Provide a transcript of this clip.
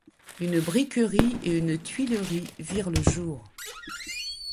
Une briqueterie et une tuilerie virent le jour.